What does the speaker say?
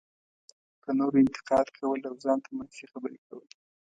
په نورو انتقاد کول او ځان ته منفي خبرې کول.